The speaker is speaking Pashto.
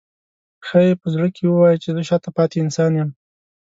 ښایي په زړه کې ووایي چې زه شاته پاتې انسان یم.